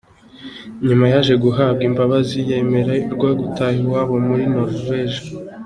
Nyuma yaje guhabwa imbabazi yemererwa gutaha iwabo muri Norvege.